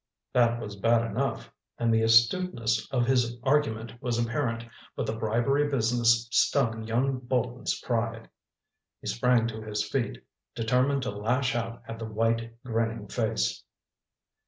That was bad enough, and the astuteness of his argument was apparent, but the bribery business stung young Bolton's pride. He sprang to his feet, determined to lash out at the white, grinning face.